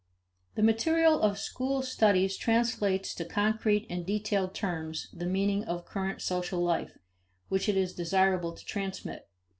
(i) The material of school studies translates into concrete and detailed terms the meanings of current social life which it is desirable to transmit.